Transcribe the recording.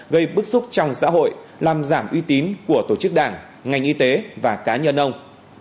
gây bức xúc trong xã hội làm giảm uy tín của tổ chức đảng ngành y tế và cá nhân ông